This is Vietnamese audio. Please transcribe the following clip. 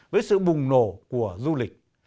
với sự bùng nổ của du lịch